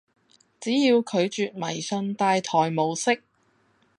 只要拒絕迷信大台模式